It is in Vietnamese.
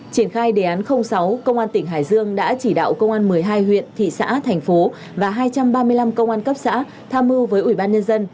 triển khai đề án sáu công an tỉnh hải dương đã chỉ đạo công an một mươi hai huyện thị xã thành phố và hai trăm ba mươi năm công an cấp xã tham mưu với ủy ban nhân dân